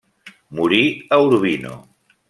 Morí a Urbino.